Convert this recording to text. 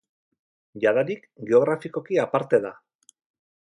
Jadanik, geografikoki, aparte da.